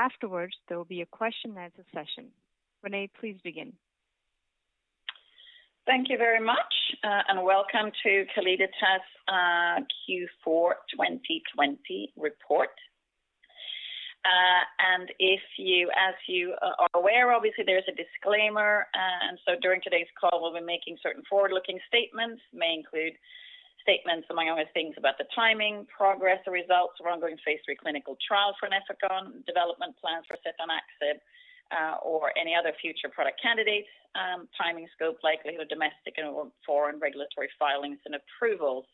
Afterwards, there will be a question and answer session. Renée, please begin. Thank you very much, and welcome to Calliditas' Q4 2020 report. As you are aware, obviously, there's a disclaimer. During today's call, we'll be making certain forward-looking statements, may include statements among other things about the timing, progress, or results of our ongoing Phase III clinical trial for Nefecon, development plans for setanaxib or any other future product candidates, timing, scope, likelihood of domestic and/or foreign regulatory filings and approvals.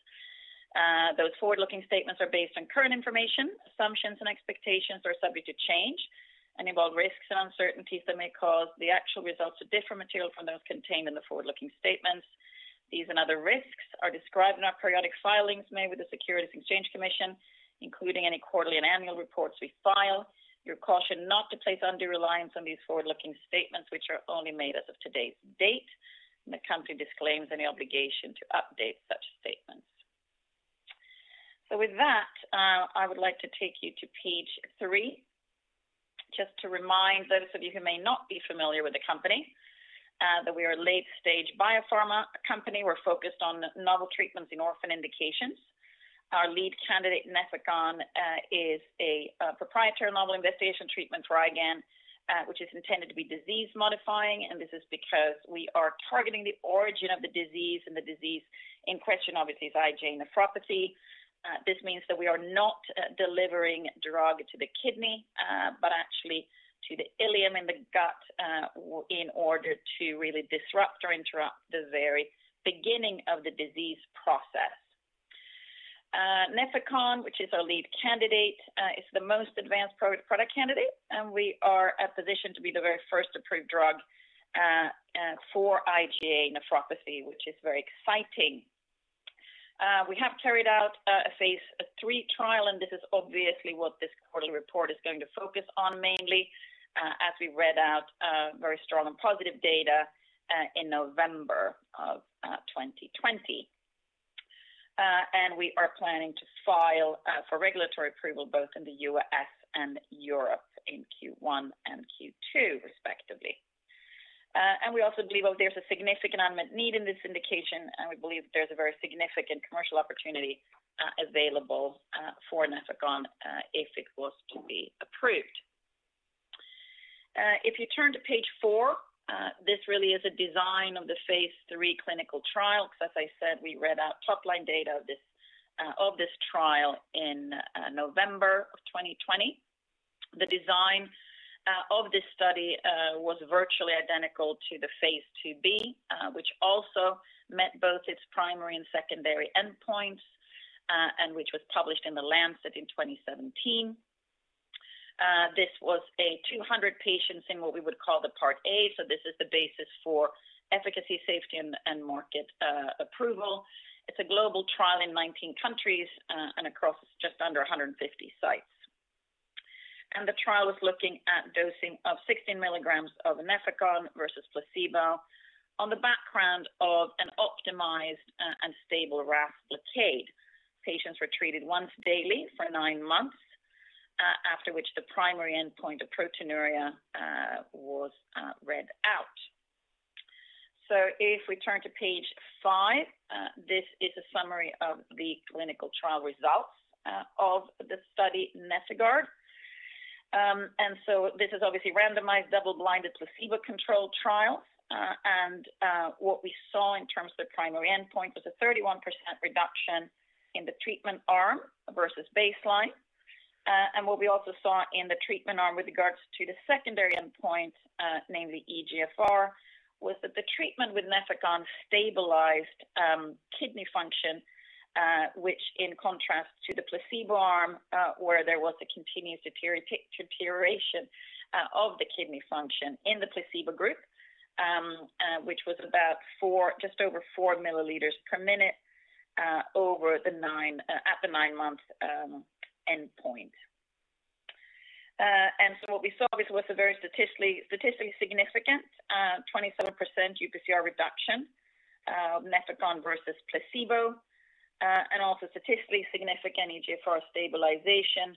Those forward-looking statements are based on current information. Assumptions and expectations are subject to change and involve risks and uncertainties that may cause the actual results to differ materially from those contained in the forward-looking statements. These and other risks are described in our periodic filings made with the Securities and Exchange Commission, including any quarterly and annual reports we file. You're cautioned not to place undue reliance on these forward-looking statements, which are only made as of today's date, and the company disclaims any obligation to update such statements. With that, I would like to take you to page three, just to remind those of you who may not be familiar with the company, that we are a late-stage biopharma company we're focused on novel treatments in orphan indications. Our lead candidate, Nefecon, is a proprietary novel investigation treatment for IgA, which is intended to be disease-modifying, and this is because we are targeting the origin of the disease, and the disease in question, obviously, is IgA nephropathy. This means that we are not delivering drug to the kidney, but actually to the ileum in the gut, in order to really disrupt or interrupt the very beginning of the disease process. Nefecon, which is our lead candidate, is the most advanced product candidate. We are at position to be the very first approved drug for IgA nephropathy, which is very exciting. We have carried out a Phase III trial this is obviously what this quarterly report is going to focus on mainly, as we read out very strong and positive data in November of 2020. We are planning to file for regulatory approval both in the U.S. and Europe in Q1 and Q2, respectively. We also believe there's a significant unmet need in this indication, and we believe that there's a very significant commercial opportunity available for Nefecon if it was to be approved. If you turn to page four, this really is a design of the Phase III clinical trial, because as I said, we read out top-line data of this trial in November of 2020. The design of this study was virtually identical to the Phase IIb, which also met both its primary and secondary endpoints, and which was published in The Lancet in 2017. This was a 200 patients in what we would call the Part A, this is the basis for efficacy, safety, and market approval. It's a global trial in 19 countries, across just under 150 sites. The trial is looking at dosing of 16 mg of Nefecon versus placebo on the background of an optimized and stable RAS blockade. Patients were treated once daily for nine months, after which the primary endpoint of proteinuria was read out. If we turn to page five, this is a summary of the clinical trial results of the study NefIgArd. This is obviously randomized, double-blind, placebo-controlled trial. What we saw in terms of the primary endpoint was a 31% reduction in the treatment arm versus baseline. What we also saw in the treatment arm with regards to the secondary endpoint, namely eGFR, was that the treatment with Nefecon stabilized kidney function, which in contrast to the placebo arm, where there was a continuous deterioration of the kidney function in the placebo group, which was about just over 4 mLs per minute at the nine-month endpoint. What we saw, obviously, was a very statistically significant 27% UPCR reduction, Nefecon versus placebo, and also statistically significant eGFR stabilization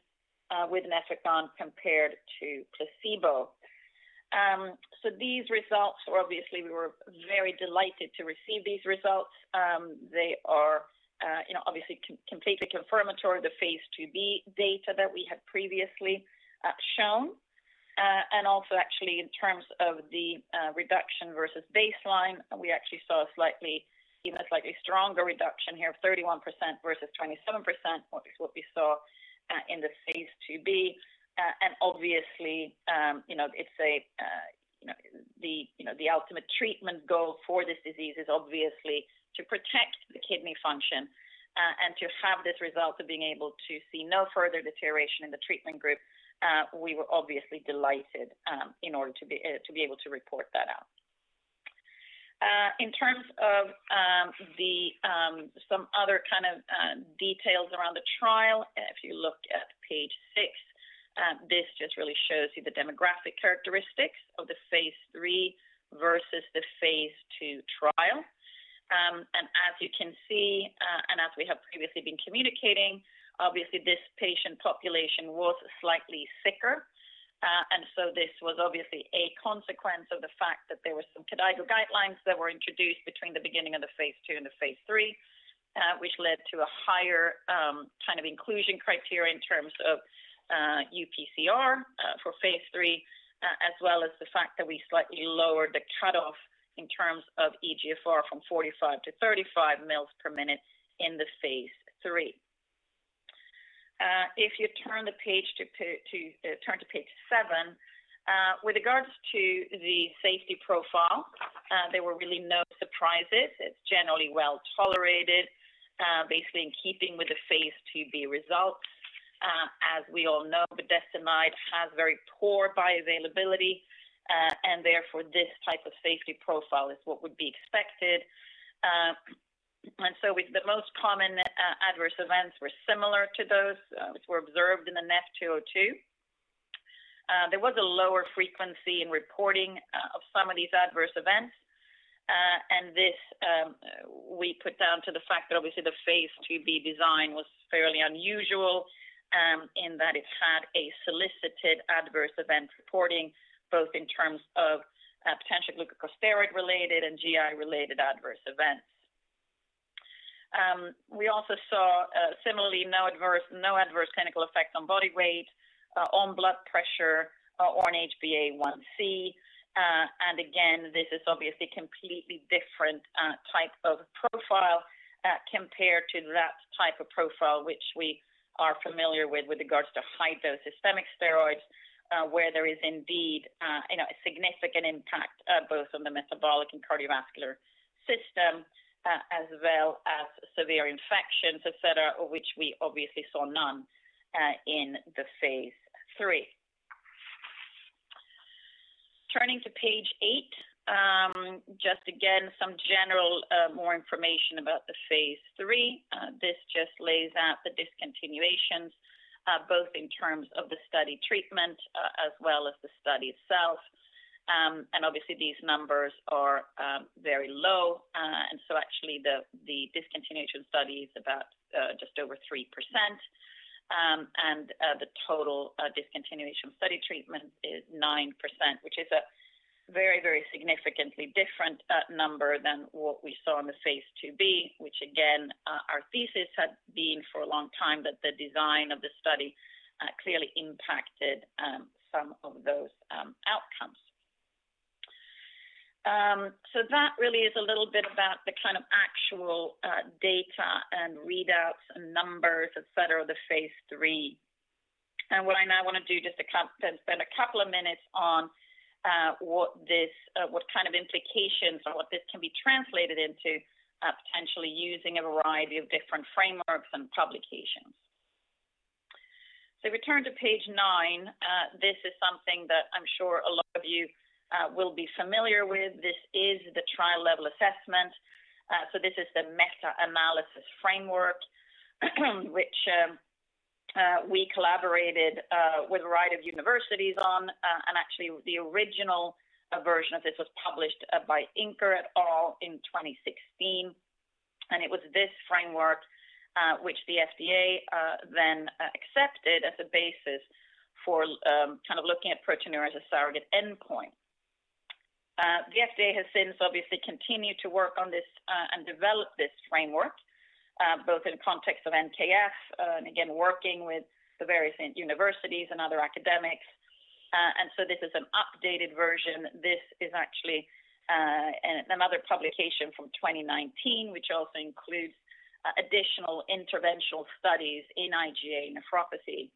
with Nefecon compared to placebo. These results were obviously we were very delighted to receive these results. They are obviously completely confirmatory of the Phase IIb data that we had previously shown. Actually in terms of the reduction versus baseline, we actually saw a slightly stronger reduction here of 31% versus 27%, which is what we saw in the Phase IIb. Obviously, the ultimate treatment goal for this disease is obviously to protect the kidney function, and to have this result of being able to see no further deterioration in the treatment group, we were obviously delighted in order to be able to report that out. In terms of some other kind of details around the trial, and if you look at page six, this just really shows you the demographic characteristics of the Phase III versus the Phase II trial. As you can see, and as we have previously been communicating, obviously this patient population was slightly sicker. This was obviously a consequence of the fact that there were some KDIGO guidelines that were introduced between the beginning of the Phase II and the Phase III, which led to a higher kind of inclusion criteria in terms of UPCR for Phase III, as well as the fact that we slightly lowered the cutoff in terms of eGFR from 45 to 35 mils per minute in the Phase III. If you turn to page seven, with regards to the safety profile, there were really no surprises. It's generally well-tolerated, basically in keeping with the Phase IIb results. As we all know, budesonide has very poor bioavailability, and therefore this type of safety profile is what would be expected. The most common adverse events were similar to those which were observed in the NefIgArd. There was a lower frequency in reporting of some of these adverse events, and this we put down to the fact that obviously the Phase IIb design was fairly unusual, in that it had a solicited adverse event reporting, both in terms of potential glucocorticosteroid-related and GI-related adverse events. We also saw similarly, no adverse clinical effects on body weight, on blood pressure, or on HbA1c. Again, this is obviously completely different type of profile compared to that type of profile which we are familiar with regards to high-dose systemic steroids, where there is indeed a significant impact both on the metabolic and cardiovascular system, as well as severe infections, et cetera, which we obviously saw none in the Phase III. Turning to page eight, just again, some general more information about the Phase III. This just lays out the discontinuations, both in terms of the study treatment as well as the study itself. Obviously these numbers are very low. Actually the discontinuation study is about just over 3%, and the total discontinuation study treatment is 9%, which is a very, very significantly different number than what we saw in the Phase IIb, which again, our thesis had been for a long time that the design of the study clearly impacted some of those outcomes. That really is a little bit about the kind of actual data and readouts and numbers, et cetera, of the Phase III. What I now want to do, just to spend a couple of minutes on what kind of implications or what this can be translated into, potentially using a variety of different frameworks and publications. If we turn to page nine, this is something that I'm sure a lot of you will be familiar with this is the trial level assessment. This is the meta-analysis framework which we collaborated with a variety of universities on and actually, the original, version of this was published by Inker et al. in 2016. It was this framework which the FDA then accepted as a basis for kind of looking at proteinuria as a surrogate endpoint. The FDA has since obviously continued to work on this and developed this framework, both in the context of NKF and, again, working with the various universities and other academics. This is an updated version this is actually another publication from 2019, which also includes additional interventional studies in IgA nephropathy.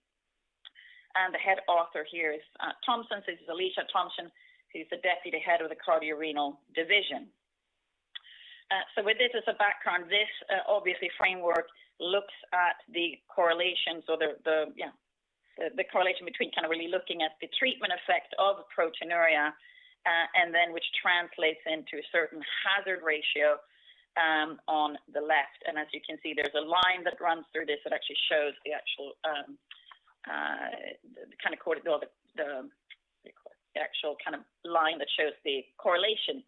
The head author here is Thompson this is Aliza Thompson, who's the Deputy Head of the Cardiorenal Division. With this as a background, this obviously framework looks at the correlation between kind of really looking at the treatment effect of proteinuria, which translates into a certain hazard ratio on the left. As you can see, there's a line that runs through this that actually shows the actual kind of line that shows the correlation between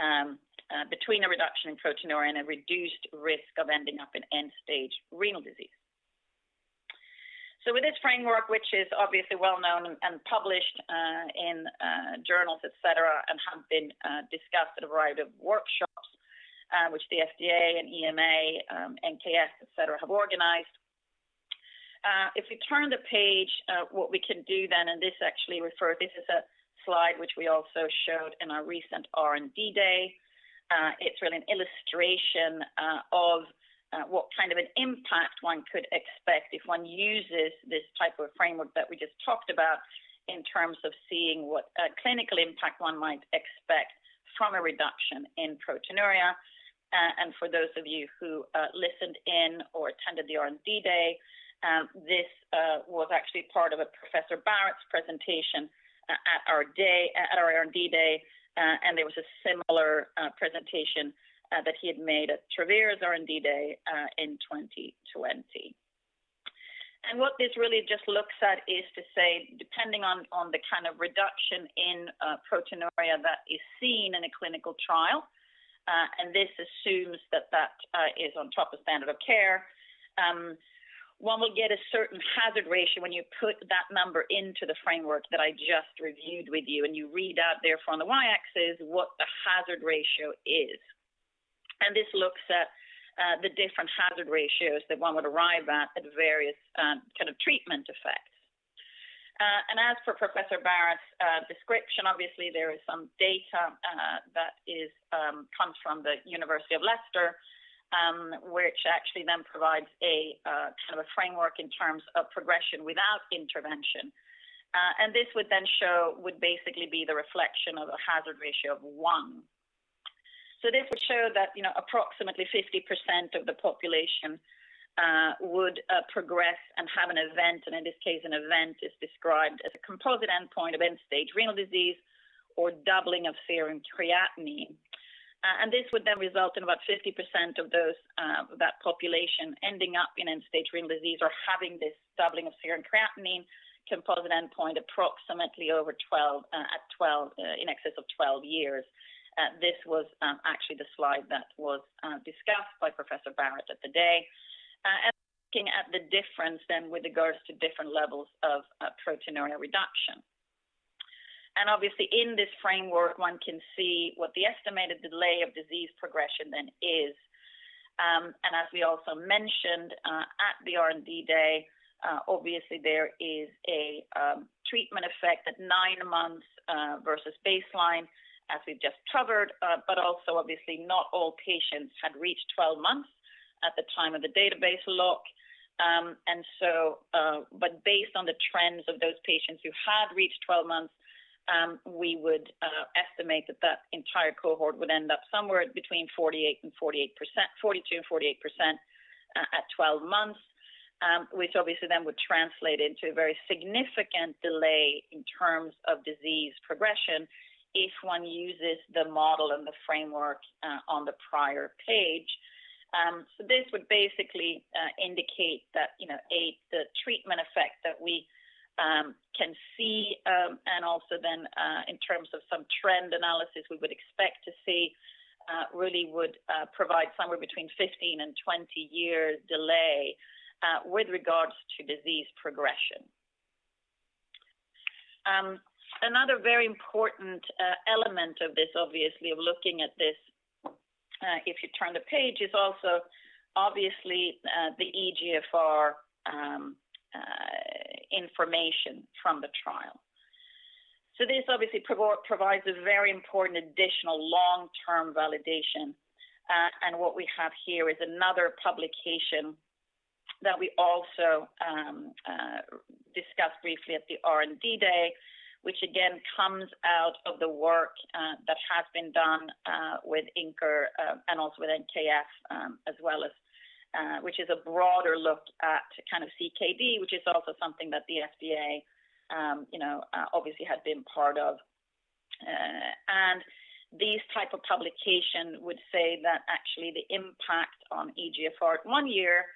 a reduction in proteinuria and a reduced risk of ending up in end-stage renal disease. With this framework, which is obviously well-known and published in journals, et cetera, and has been discussed at a variety of workshops, which the FDA and EMA, NKF, et cetera, have organized. If we turn the page, what we can do then this is a slide which we also showed in our recent R&D day. It's really an illustration of what kind of an impact one could expect if one uses this type of framework that we just talked about in terms of seeing what clinical impact one might expect from a reduction in proteinuria. For those of you who listened in or attended the R&D day, this was actually part of Professor Barratt's presentation at our R&D day. There was a similar presentation that he had made at Travere's R&D day in 2020. What this really just looks at is to say, depending on the kind of reduction in proteinuria that is seen in a clinical trial, and this assumes that is on top of standard of care. One will get a certain hazard ratio when you put that number into the framework that I just reviewed with you, and you read out there from the y-axis what the hazard ratio is. This looks at the different hazard ratios that one would arrive at various kind of treatment effects. As for Professor Barratt's description, obviously, there is some data that comes from the University of Leicester, which actually then provides a kind of a framework in terms of progression without intervention. This would basically be the reflection of a hazard ratio of one. This would show that approximately 50% of the population would progress and have an event, and in this case, an event is described as a composite endpoint of end-stage renal disease or doubling of serum creatinine. This would then result in about 50% of that population ending up in end-stage renal disease or having this doubling of serum creatinine composite endpoint approximately in excess of 12 years. This was actually the slide that was discussed by Professor Barratt at the day. Looking at the difference then with regards to different levels of proteinuria reduction. Obviously, in this framework, one can see what the estimated delay of disease progression then is. As we also mentioned at the R&D day, obviously there is a treatment effect at nine months versus baseline as we have just covered but also, obviously, not all patients had reached 12 months at the time of the database lock. Based on the trends of those patients who had reached 12 months, we would estimate that entire cohort would end up somewhere between 42% and 48% at 12 months, which obviously then would translate into a very significant delay in terms of disease progression if one uses the model and the framework on the prior page. This would basically indicate that the treatment effect that we can see and also then in terms of some trend analysis we would expect to see, really would provide somewhere between 15 and 20 years delay with regards to disease progression. Another very important element of this, obviously, of looking at this, if you turn the page, is also obviously the eGFR information from the trial. What we have here is another publication that we also discussed briefly at the R&D day, which again comes out of the work that has been done with ICHOR and also with NKF as well, which is a broader look at kind of CKD, which is also something that the FDA obviously had been part of. These type of publication would say that actually the impact on eGFR at one year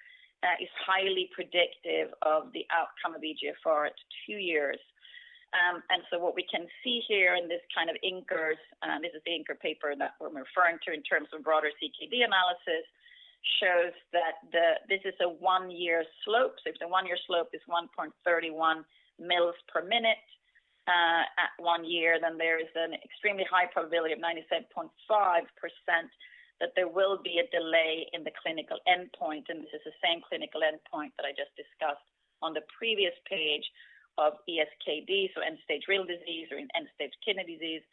is highly predictive of the outcome of eGFR at two years. What we can see here in this kind of ICHOR, this is the ICHOR paper that we’re referring to in terms of broader CKD analysis, shows that this is a one-year slope. If the one-year slope is 1.31 mils per minute- -at one year, then there is an extremely high probability of 97.5% that there will be a delay in the clinical endpoint, and this is the same clinical endpoint that I just discussed on the previous page of ESKD, so end-stage renal disease or End-Stage Kidney Disease,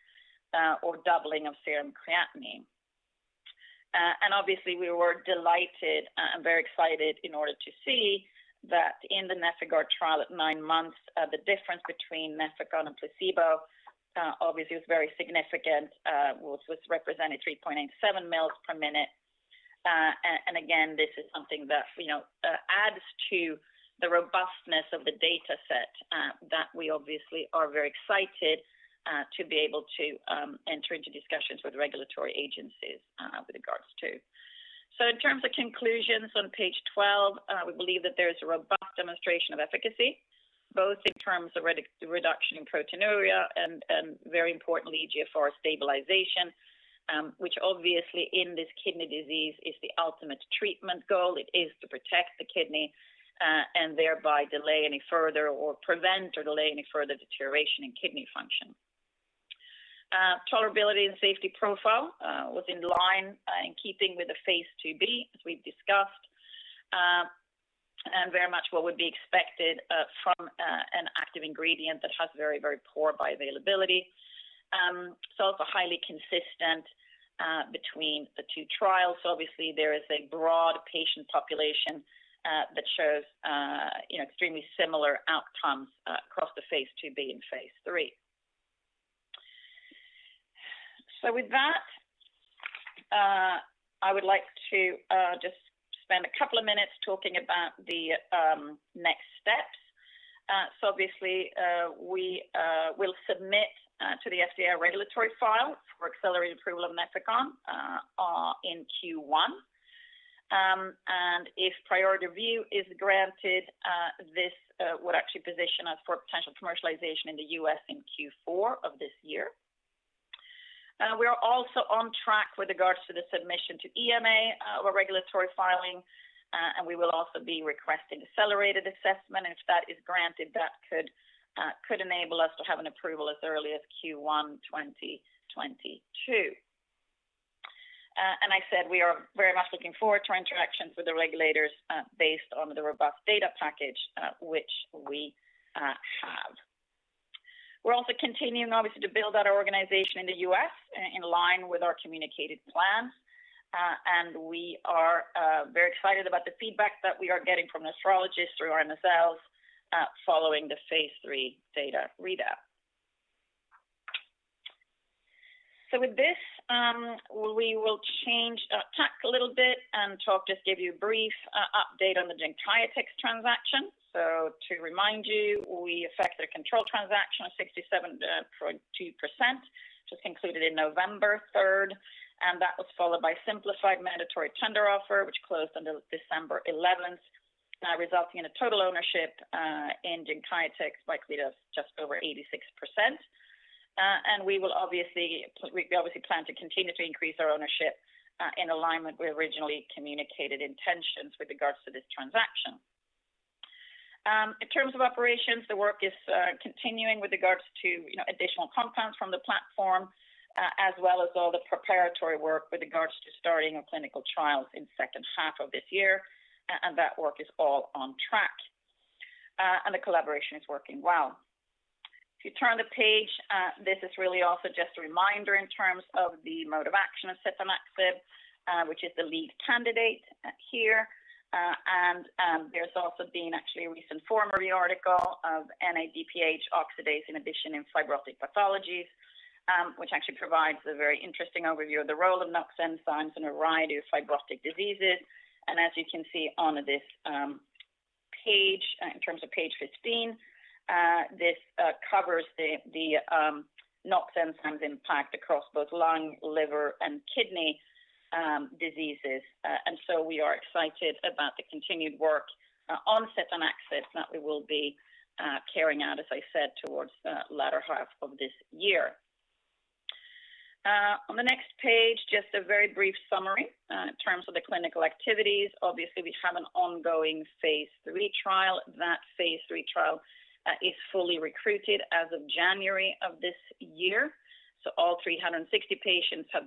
or doubling of serum creatinine. Obviously, we were delighted and very excited in order to see that in the NefIgArd trial at nine months, the difference between Nefecon and placebo obviously was very significant, which represented 3.87 mLs per minute. Again, this is something that adds to the robustness of the data set that we obviously are very excited to be able to enter into discussions with regulatory agencies with regards to. In terms of conclusions on page 12, we believe that there is a robust demonstration of efficacy, both in terms of reduction in proteinuria and very importantly, eGFR stabilization, which obviously in this kidney disease is the ultimate treatment goal it is to protect the kidney, and thereby delay any further or prevent or delay any further deterioration in kidney function. Tolerability and safety profile was in line in keeping with the Phase IIb, as we've discussed, and very much what would be expected from an active ingredient that has very poor bioavailability. It is also highly consistent between the two trials there is a broad patient population that shows extremely similar outcomes across the Phase IIb and Phase III. With that, I would like to just spend a couple of minutes talking about the next steps. Obviously, we will submit to the FDA regulatory file for accelerated approval of Nefecon in Q1. If priority review is granted, this would actually position us for potential commercialization in the U.S. in Q4 of this year. We are also on track with regards to the submission to EMA, our regulatory filing, and we will also be requesting accelerated assessment if that is granted, that could enable us to have an approval as early as Q1 2022. I said we are very much looking forward to our interactions with the regulators based on the robust data package which we have. We're also continuing obviously to build out our organization in the U.S. in line with our communicated plans. We are very excited about the feedback that we are getting from nephrologists through MSLs following the Phase III data readout. With this, we will change tack a little bit and just give you a brief update on the Genkyotex transaction. To remind you, we effected a control transaction of 67.2%, which concluded in 3 November, and that was followed by simplified mandatory tender offer, which closed on 11 December, resulting in a total ownership in Genkyotex by Calliditas just over 86%. We obviously plan to continue to increase our ownership in alignment with originally communicated intentions with regards to this transaction. In terms of operations, the work is continuing with regards to additional compounds from the platform, as well as all the preparatory work with regards to starting our clinical trials in the second half of this year. That work is all on track. The collaboration is working well. If you turn the page, this is really also just a reminder in terms of the mode of action of setanaxib, which is the lead candidate here. There's also been actually a recent forma article of NADPH oxidase inhibition in fibrotic pathologies, which actually provides a very interesting overview of the role of NOX enzymes in a variety of fibrotic diseases. As you can see on this page, in terms of page 15, this covers the NOX enzymes impact across both lung, liver, and kidney diseases and so we are excited about the continued work on setanaxib that we will be carrying out, as I said, towards the latter half of this year. On the next page, just a very brief summary in terms of the clinical activities. Obviously, we have an ongoing Phase III trial, that Phase III trial is fully recruited as of January of this year. All 360 patients have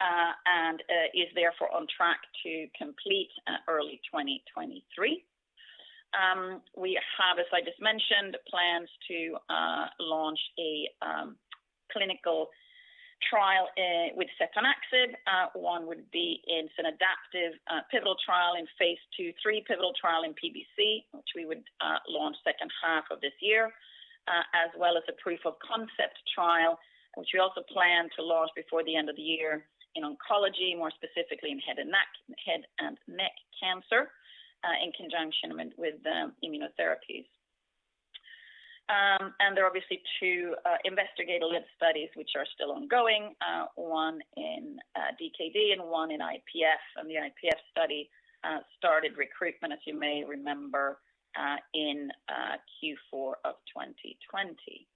been included and is therefore on track to complete early 2023. We have, as I just mentioned, plans to launch a clinical trial with setanaxib one would be it's an adaptive pivotal trial in Phase II/III pivotal trial in PBC, which we would launch second half of this year, as well as a proof of concept trial, which we also plan to launch before the end of the year in oncology more specifically in head and neck cancer, in conjunction with immunotherapies. There are obviously two investigational studies which are still ongoing, one in DKD and one in IPF the IPF study started recruitment, as you may remember, in Q4 of 2020.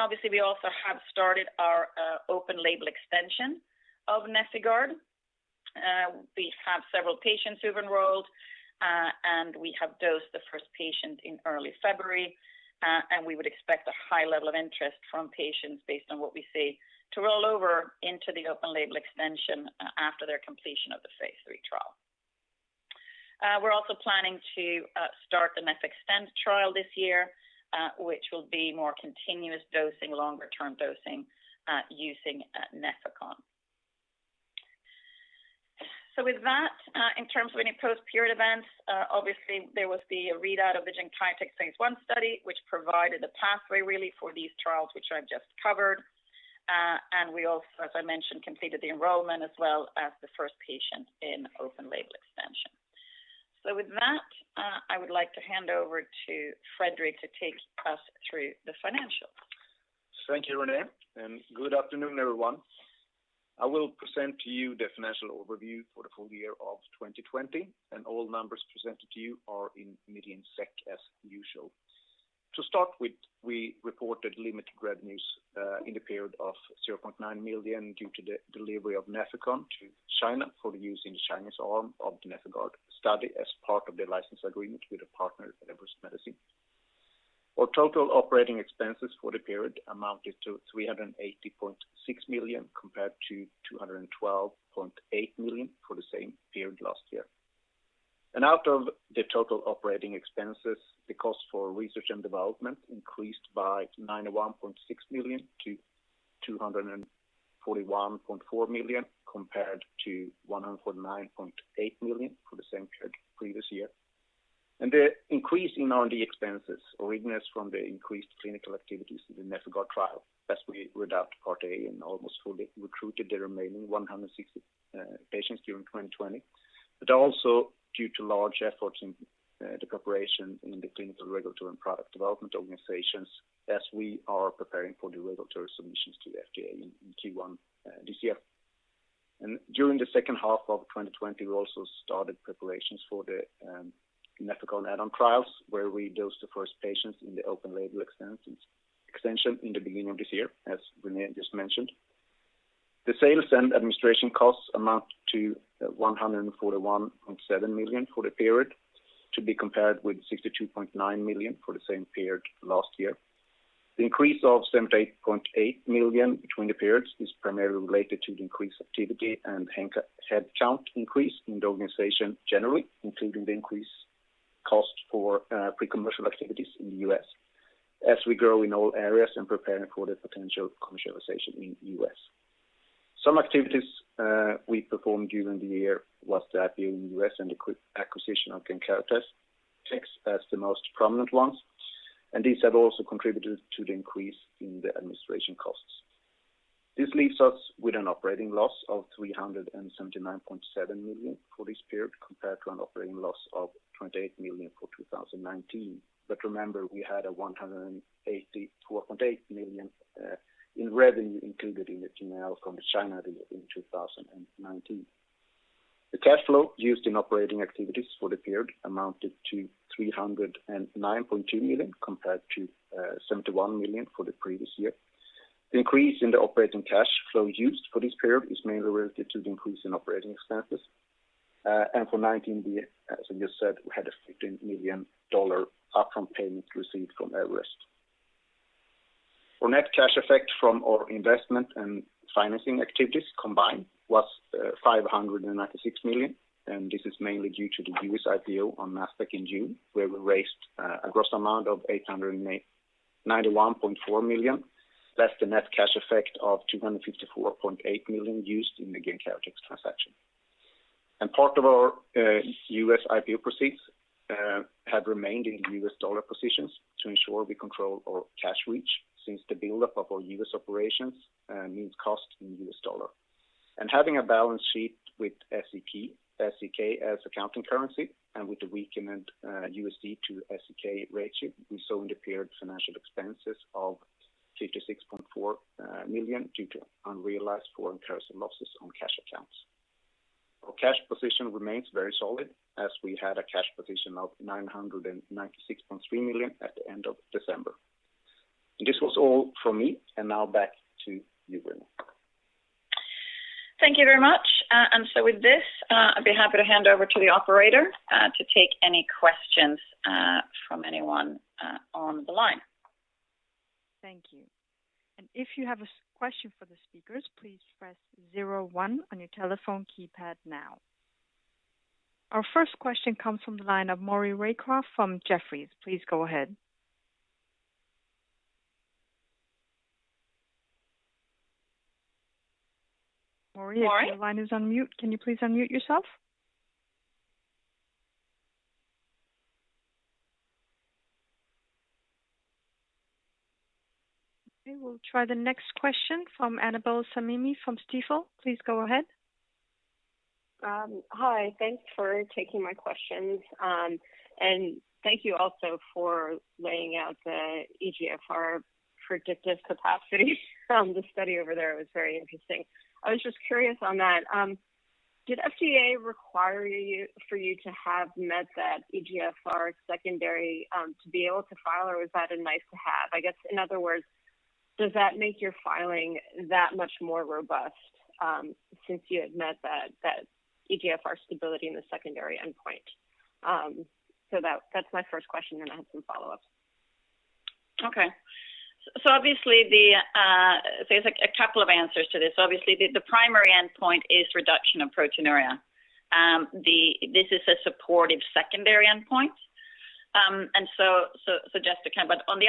Obviously, we also have started our open label extension of NefIgArd. We have several patients who've enrolled, and we have dosed the first patient in early February. We would expect a high level of interest from patients based on what we see to roll over into the open label extension after their completion of the Phase III trial. We're also planning to start the NefXtend trial this year, which will be more continuous dosing, longer term dosing using Nefecon. With that, in terms of any post period events, obviously there was the readout of the Genkyotex Phase I study, which provided a pathway really for these trials, which I've just covered. We also, as I mentioned, completed the enrollment as well as the first patient in open label extension. With that, I would like to hand over to Fredrik to take us through the financials. Thank you, Renée, good afternoon, everyone. I will present to you the financial overview for the full year of 2020. All numbers presented to you are in million SEK as usual. To start with, we reported limited revenues in the period of 0.9 million due to the delivery of Nefecon to China for use in the Chinese arm of the NefIgArd study as part of the license agreement with the partner Everest Medicines. Our total operating expenses for the period amounted to 380.6 million compared to 212.8 million for the same period last year. Out of the total operating expenses, the cost for research and development increased by 91.6 million-241.4 million compared to 149.8 million for the same period previous year. The increase in R&D expenses originates from the increased clinical activities in the NefIgArd trial as we read out Part A and almost fully recruited the remaining 160 patients during 2020, also due to large efforts in the cooperation in the clinical, regulatory, and product development organizations as we are preparing for the regulatory submissions to the FDA in Q1 this year. During the second half of 2020, we also started preparations for the clinical add-on trials, where we dosed the first patients in the open label extension in the beginning of this year, as Renée just mentioned. The sales and administration costs amount to 141.7 million for the period, to be compared with 62.9 million for the same period last year. The increase of 78.8 million between the periods is primarily related to the increased activity and headcount increase in the organization generally, including the increase cost for pre-commercial activities in the U.S. as we grow in all areas and preparing for the potential commercialization in the U.S. Some activities we performed during the year was the [unintelligible] in the U.S. and acquisition of Genkyotex as the most prominent ones. These have also contributed to the increase in the administration costs. This leaves us with an operating loss of 379.7 million for this period, compared to an operating loss of 28 million for 2019. Remember, we had 184.8 million in revenue included in the P&L from the China deal in 2019. The cash flow used in operating activities for the period amounted to 309.2 million, compared to 71 million for the previous year. The increase in the operating cash flow used for this period is mainly related to the increase in operating expenses. For 2019, as I just said, we had a SEK 15 million upfront payment received from Everest. Our net cash effect from our investment and financing activities combined was 596 million, and this is mainly due to the U.S. IPO on Nasdaq in June, where we raised a gross amount of 891.4 million, less the net cash effect of 254.8 million used in the Genkyotex transaction. Part of our U.S. IPO proceeds have remained in U.S. dollar positions to ensure we control our cash reach, since the buildup of our U.S. operations means cost in U.S. dollar. Having a balance sheet with SEK as accounting currency and with the weakened USD to SEK ratio, we saw in the period financial expenses of 56.4 million due to unrealized foreign currency losses on cash accounts. Our cash position remains very solid, as we had a cash position of 996.3 million at the end of December. This was all from me. Now back to you, Renée. Thank you very much. With this, I would be happy to hand over to the operator to take any questions from anyone on the line. Thank you. Our first question comes from the line of Maury Raycroft from Jefferies. Maury? Okay, we'll try the next question from Annabel Samimy from Stifel please go ahead. Hi. Thanks for taking my questions. Thank you also for laying out the eGFR predictive capacity from the study over there it was very interesting. I was just curious on that. Did FDA require for you to have met that eGFR secondary to be able to file? or was that a nice to have? I guess, in other words, does that make your filing that much more robust since you had met that eGFR stability in the secondary endpoint? That's my first question, and I have some follow-ups. Okay. There's a couple of answers to this obviously, the primary endpoint is reduction of proteinuria. This is a supportive secondary endpoint. On the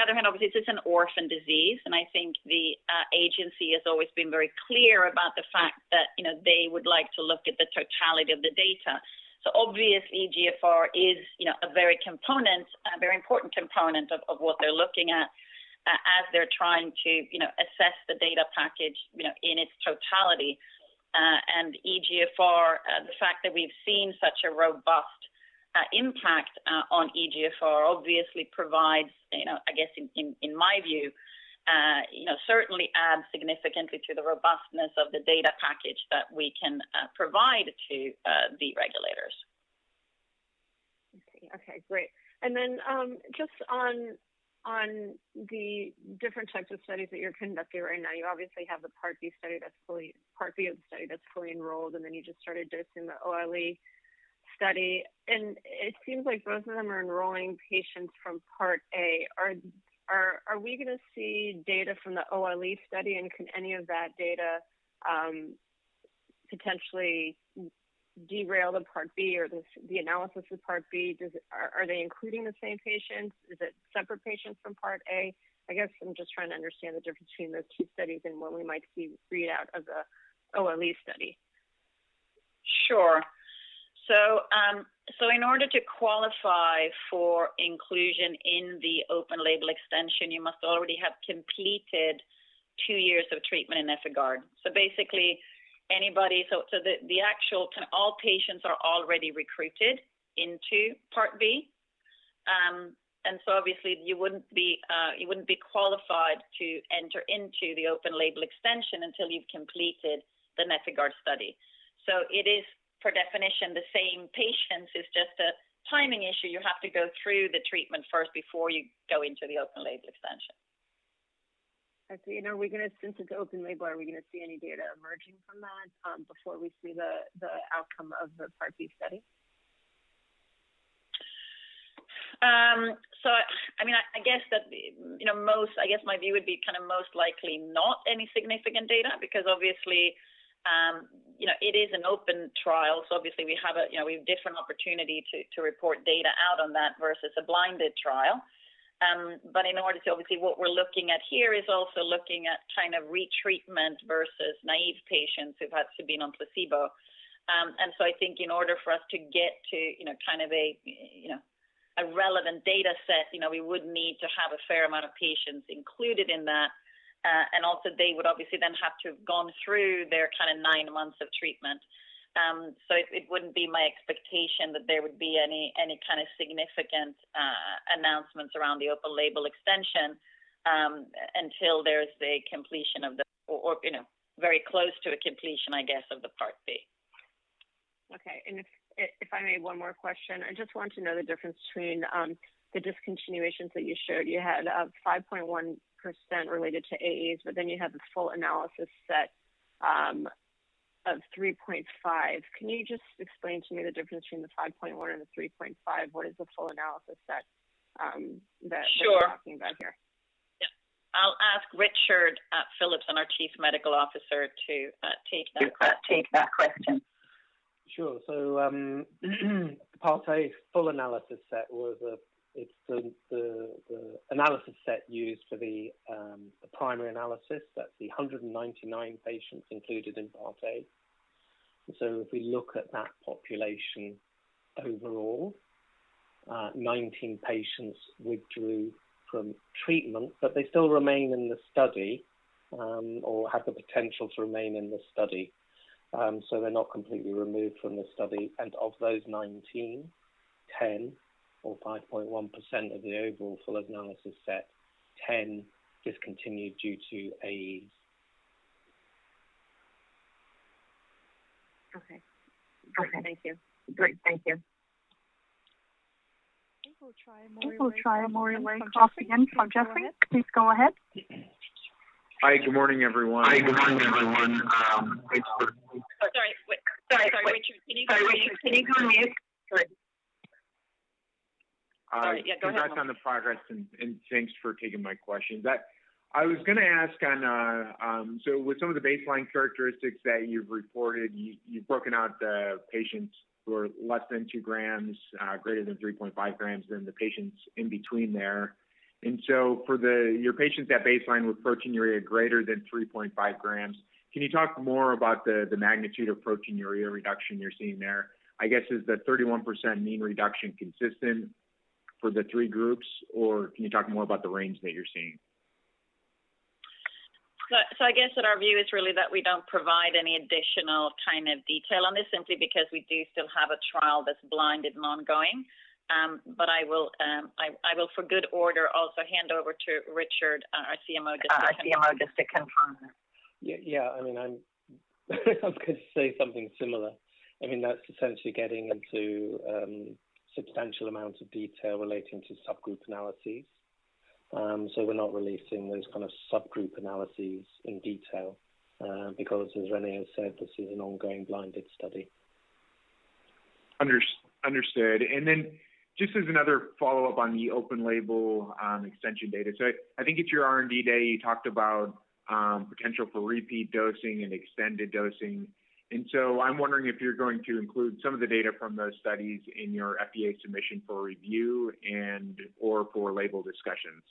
other hand, obviously, this is an orphan disease, and I think the agency has always been very clear about the fact that they would like to look at the totality of the data. Obviously, eGFR is a very important component of what they're looking at as they're trying to assess the data package in its totality. And eGFR, the fact that we've seen such a robust impact on eGFR obviously provides, I guess in my view, certainly adds significantly to the robustness of the data package that we can provide to the regulators. Okay, great. Just on the different types of studies that you're conducting right now you obviously have the Part B of the study that's fully enrolled then you just started dosing the OLE study. It seems like both of them are enrolling patients from Part A are we going to see data from the OLE study? Can any of that data potentially derail the Part B or the analysis of Part B? Are they including the same patients? Is it separate patients from Part A? I guess I'm just trying to understand the difference between those two studies and when we might see readout of the OLE study. Sure. In order to qualify for inclusion in the open label extension, you must already have completed two years of treatment in NefIgArd. So basically, all patients are already recruited into Part B. Obviously you wouldn't be qualified to enter into the open label extension until you've completed the NefIgArd study. It is, per definition, the same patients it's just a timing issue you have to go through the treatment first before you go into the open label extension. I see since it's open label, are we going to see any data emerging from that before we see the outcome of the Part B study? I guess my view would be most likely not any significant data, because obviously, it is an open trial, so obviously we have different opportunity to report data out on that versus a blinded trial. In order to, obviously, what we're looking at here is also looking at retreatment versus naive patients who've had to been on placebo. I think in order for us to get to a relevant data set, we would need to have a fair amount of patients included in that. Also they would obviously then have to have gone through their nine months of treatment. It wouldn't be my expectation that there would be any kind of significant announcements around the open label extension, until there's a completion or very close to a completion, I guess, of the Part B. Okay. If I may, one more question. I just want to know the difference between the discontinuations that you showed you had 5.1% related to AEs, but then you had the full analysis set of 3.5% can you just explain to me the difference between the 5.1% and the 3.5%? what is the full analysis set? Sure. That you're talking about here? Yeah. I'll ask Richard Philipson and our Chief Medical Officer to take that question. Sure. Part A full analysis set was the analysis set used for the primary analysis that's the 199 patients included in Part A. If we look at that population overall, 19 patients withdrew from treatment, but they still remain in the study, or have the potential to remain in the study. They're not completely removed from the study and of those 19, 10 or 5.1% of the overall full analysis set, 10 discontinued due to AEs. Okay. Okay. Thank you. Great, thank you. I think we'll try Maury Raycroft off the end for Jefferies. Please go ahead. Hi, good morning everyone. Sorry wait. Sorry, Richard, can you go on mute? Great. Sorry, yeah, go ahead. Congrats on the progress and thanks for taking my questions but, i was going to ask, so with some of the baseline characteristics that you've reported, you've broken out the patients who are less than two grams, greater than 3.5 grams then the patients in between there. For your patients at baseline with proteinuria greater than 3.5 grams, can you talk more about the magnitude of proteinuria reduction you're seeing there? I guess, is the 31% mean reduction consistent for the three groups? or can you talk more about the range that you're seeing? I guess that our view is really that we don't provide any additional detail on this simply because we do still have a trial that's blinded and ongoing. I will, for good order, also hand over to Richard, our CMO, just to confirm that. Yeah. I was going to say something similar. That's essentially getting into substantial amounts of detail relating to subgroup analyses. We're not releasing those kind of subgroup analyses in detail, because as Renée has said, this is an ongoing blinded study. Understood. Just as another follow-up on the open label extension data. I think at your R&D day, you talked about potential for repeat dosing and extended dosing. I'm wondering if you're going to include some of the data from those studies in your FDA submission for review and/or for label discussions.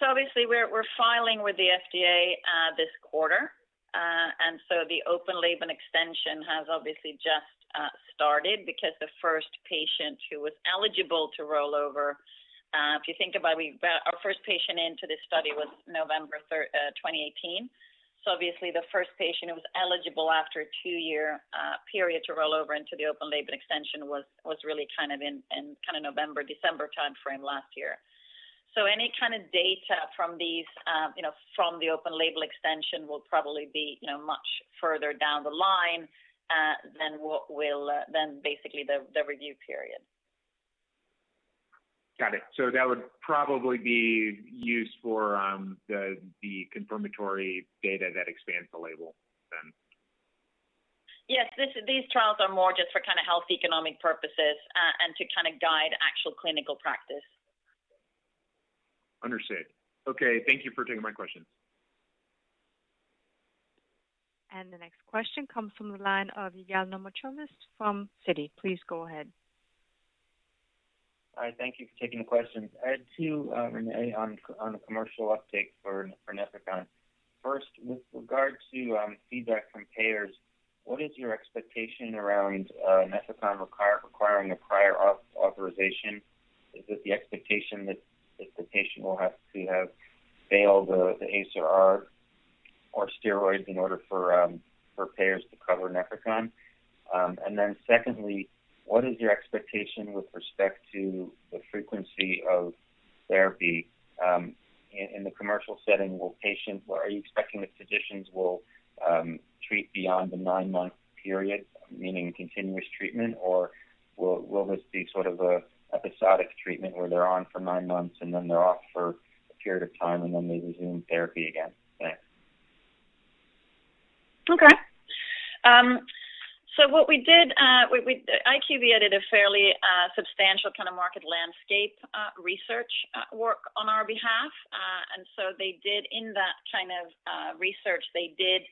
Obviously we're filing with the FDA this quarter. The open label extension has obviously just started because the first patient who was eligible to roll over, if you think about our first patient into this study was November 2018. Obviously the first patient who was eligible after a two-year period to roll over into the open label extension was really in November, December timeframe last year. Any kind of data from the open label extension will probably be much further down the line than basically the review period. Got it. That would probably be used for the confirmatory data that expands the label then. Yes. These trials are more just for health economic purposes, and to guide actual clinical practice. Understood. Okay thank you for taking my questions. The next question comes from the line of Yaron Werber from Citi. Please go ahead. All right. Thank you for taking the questions. To Renée, on the commercial uptake for Nefecon, with regard to feedback from payers, what is your expectation around Nefecon requiring a prior authorization? Is it the expectation that the patient will have to have failed the ACE or ARB or steroids in order for payers to cover Nefecon? Then secondly, what is your expectation with respect to the frequency of therapy? In the commercial setting, are you expecting that physicians will treat beyond the nine-month period, meaning continuous treatment? or will this be sort of an episodic treatment where they're on for nine months and then they're off for a period of time, and then they resume therapy again? Thanks. Okay. IQVIA did a fairly substantial kind of market landscape research work on our behalf. They did, in that kind of research, they did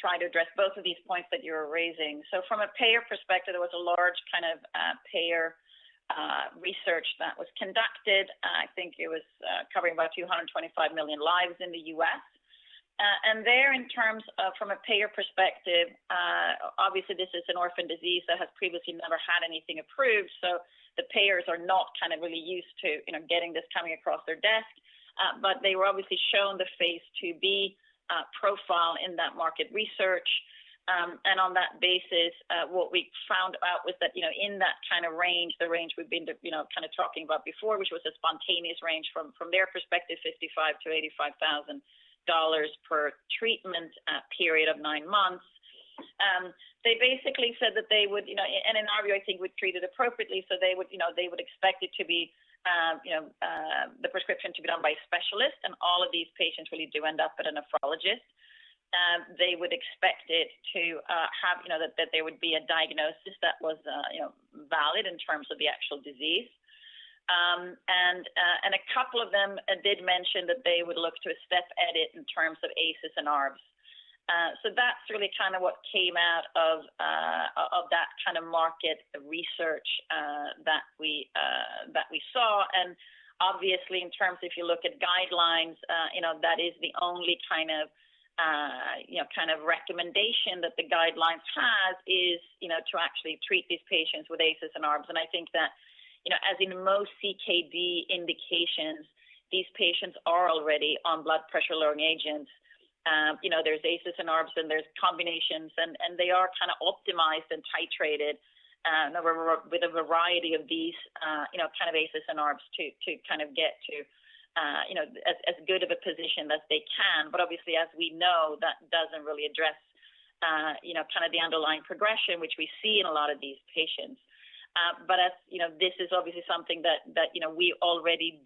try to address both of these points that you're raising, from a payer perspective, there was a large kind of payer research that was conducted. I think it was covering about 225 million lives in the U.S. There, in terms of from a payer perspective, obviously this is an orphan disease that has previously never had anything approved, so the payers are not really used to getting this coming across their desk. They were obviously shown the Phase IIb profile in that market research. On that basis, what we found out was that in that kind of range, the range we've been talking about before, which was a spontaneous range from their perspective, $55,000-$85,000 per treatment period of nine months. They basically said that they would, in our view, I think, would treat it appropriately. They would expect the prescription to be done by a specialist, and all of these patients really do end up at a nephrologist. They would expect it to have that there would be a diagnosis that was valid in terms of the actual disease. A couple of them did mention that they would look to a step edit in terms of ACEs and ARBs. That's really what came out of that kind of market research that we saw and, obviously in terms, if you look at guidelines, that is the only kind of recommendation that the guidelines has, is to actually treat these patients with ACEs and ARBs i think that, as in most CKD indications, these patients are already on blood pressure-lowering agents. There's ACEs and ARBs and there's combinations, and they are kind of optimized and titrated with a variety of these ACEs and ARBs to get to as good of a position as they can, obviously, as we know, that doesn't really address the underlying progression, which we see in a lot of these patients. This is obviously something that we've already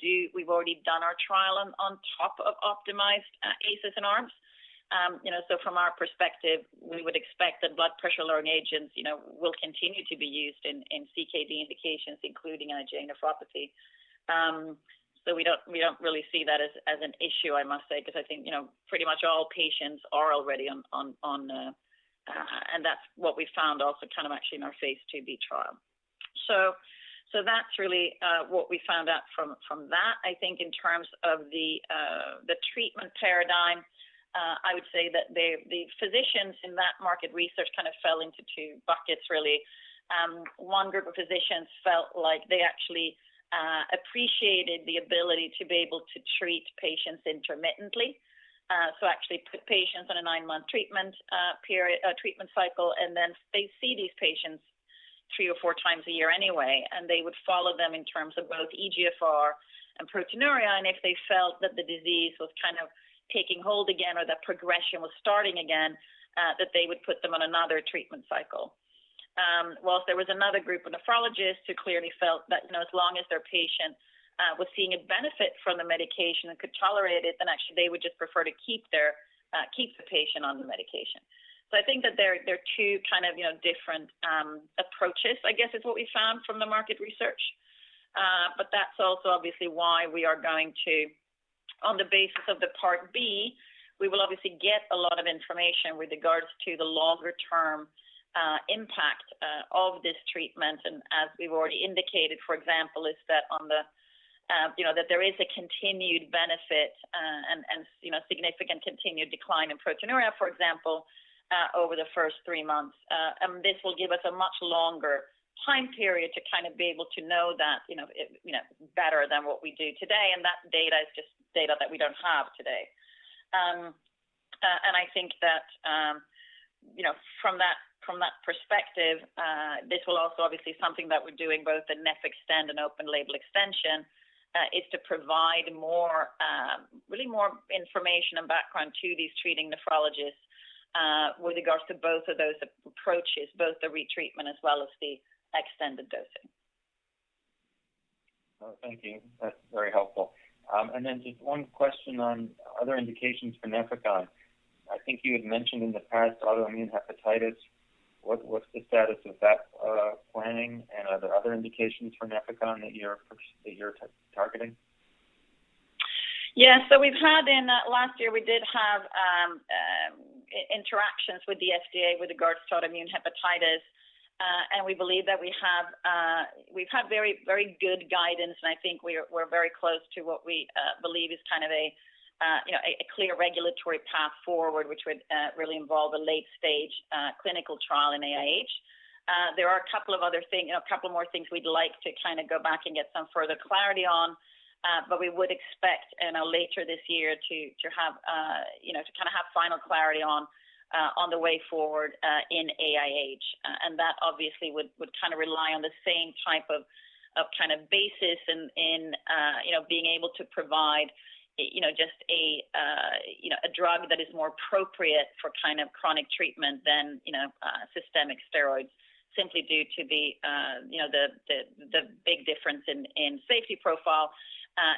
done our trial on top of optimized ACEs and ARBs. From our perspective, we would expect that blood pressure-lowering agents will continue to be used in CKD indications, including in IgA nephropathy. We don't really see that as an issue, I must say, because I think pretty much all patients are already on. That's what we found also actually in our Phase II trial. That's really what we found out from that. I think in terms of the treatment paradigm, I would say that the physicians in that market research fell into two buckets really. One group of physicians felt like they actually appreciated the ability to be able to treat patients intermittently. Actually put patients on a nine month treatment period cycle, and then they see these patients three or four times a year anyway, and they would follow them in terms of both eGFR and proteinuria if they felt that the disease was kind of taking hold again or that progression was starting again, that they would put them on another treatment cycle. There was another group of nephrologists who clearly felt that as long as their patient was seeing a benefit from the medication and could tolerate it, then actually they would just prefer to keep the patient on the medication. I think that there are two different approaches, I guess is what we found from the market research. That's also obviously why we are going to, on the basis of the Part B, we will obviously get a lot of information with regards to the longer-term impact of this treatment and as we've already indicated, for example, is that there is a continued benefit and significant continued decline in proteinuria, for example, over the first three months. This will give us a much longer time period to be able to know that better than what we do today, and that data is just data that we don't have today. I think that from that perspective, this will also obviously something that we do in both the NefXtend and open label extension, is to provide really more information and background to these treating nephrologists with regards to both of those approaches, both the retreatment as well as the extended dosing. Thank you that's very helpful. Just one question on other indications for Nefecon. I think you had mentioned in the past autoimmune hepatitis. What's the status of that planning and are there other indications for Nefecon that you're targeting? Yeah. Last year we did have interactions with the FDA with regards to autoimmune hepatitis. We believe that we've had very good guidance, and I think we're very close to what we believe is a clear regulatory path forward, which would really involve a late-stage clinical trial in AIH. There are a couple more things we'd like to go back and get some further clarity on. We would expect later this year to have final clarity on the way forward in AIH. That obviously would rely on the same type of basis in being able to provide a drug that is more appropriate for chronic treatment than systemic steroids, simply due to the big difference in safety profile,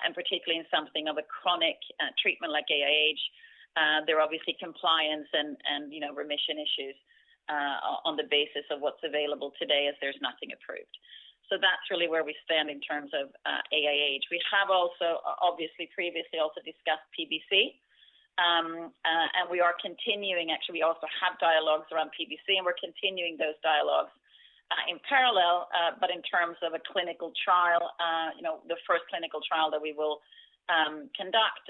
and particularly in something of a chronic treatment like AIH. There are obviously compliance and remission issues, on the basis of what's available today, as there's nothing approved. That's really where we stand in terms of AIH we have also obviously previously also discussed PBC. We are continuing, actually, we also have dialogues around PBC, and we're continuing those dialogues in parallel but in terms of a clinical trial, the first clinical trial that we will conduct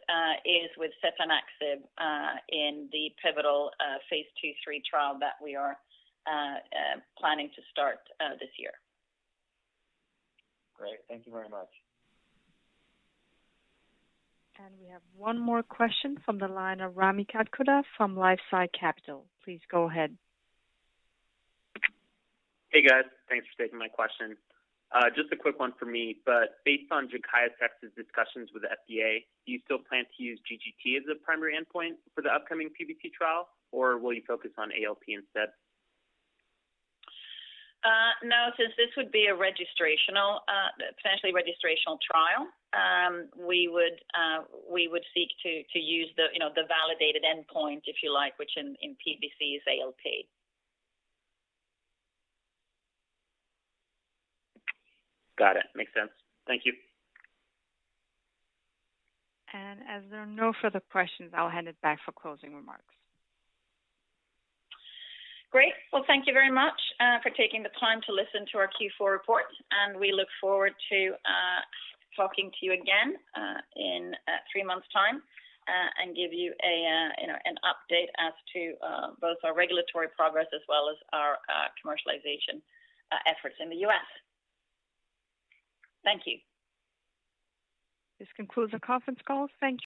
is with setanaxib in the pivotal Phase II/III trial that we are planning to start this year. Great. Thank you very much. We have one more question from the line of Rami Katkhuda from LifeSci Capital. Please go ahead. Hey, guys. Thanks for taking my question. Just a quick one for me but, based on Calliditas' discussions with the FDA, do you still plan to use GGT as a primary endpoint for the upcoming PBC trial? or will you focus on ALP instead? No, since this would be a potential registrational trial, we would seek to use the validated endpoint, if you like, which in PBC is ALP. Got it. Makes sense. Thank you. As there are no further questions, I'll hand it back for closing remarks. Great. Well, thank you very much for taking the time to listen to our Q4 report. We look forward to talking to you again in three months' time, and give you an update as to both our regulatory progress as well as our commercialization efforts in the U.S. Thank you. This concludes the conference call. Thank you